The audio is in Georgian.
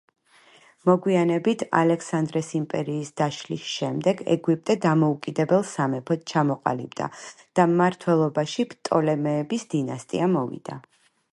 მოგვიანებით ალექსანდრეს იმპერიის დაშლის შემდეგ ეგვიპტე დამოუკიდებელ სამეფოდ ჩამოყალიბდა და მმართველობაში პტოლემეების დინასტია მოვიდა.